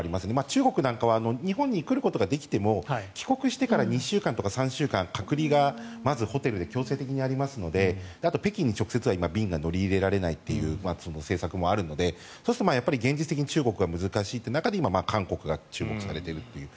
中国なんかは日本に来ることができても帰国してから２週間とか３週間隔離がまずホテルで強制的にありますので北京に直接は今便が乗り入れられないという政策があるのでそうすると現実的に中国は難しいという中で韓国が注目されているという。